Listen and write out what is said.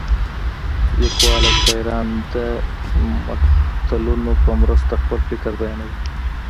لیکوالان او شاعران د متلونو په مرسته خپل فکر بیانوي